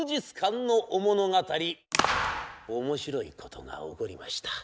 面白いことが起こりました。